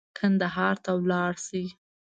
کندهار ته ولاړ شي.